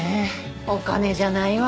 お金じゃないわ。